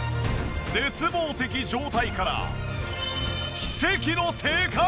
絶望的状態から奇跡の生還！